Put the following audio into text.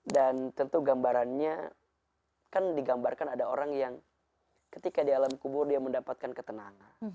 dan tentu gambarannya kan digambarkan ada orang yang ketika di alam kubur dia mendapatkan ketenangan